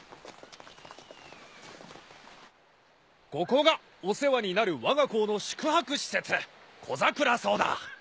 ここがお世話になるわが校の宿泊施設小櫻荘だ。